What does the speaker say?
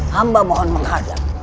hamba mohon menghadap